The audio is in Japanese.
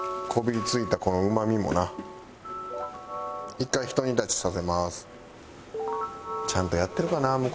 １回ひと煮立ちさせます。